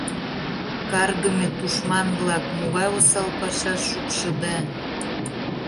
Каргыме тушман-влак, могай осал пашаш шупшыда!